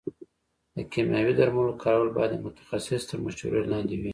د کيمياوي درملو کارول باید د متخصص تر مشورې لاندې وي.